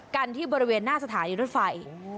กันที่บริเวณหน้าสถานีรถไฟ